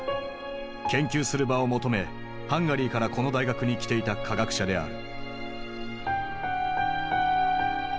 研究する場を求めハンガリーからこの大学に来ていた科学者である。